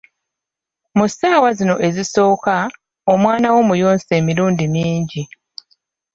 Mu ssaawa zino ezisooka, omwana wo muyonse emirundi mingi.